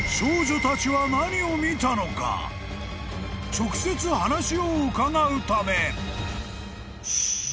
［直接話を伺うため］